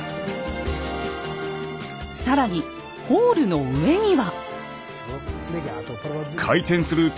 更にホールの上には。